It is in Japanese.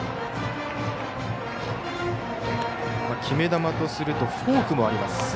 決め球とするとフォークもあります